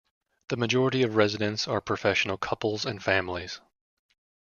The majority of residents are professional couples and families.